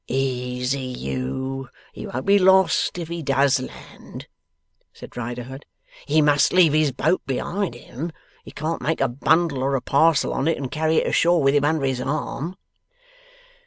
'Easy you! He won't be lost if he does land,' said Riderhood. 'He must leave his boat behind him. He can't make a bundle or a parcel on it, and carry it ashore with him under his arm.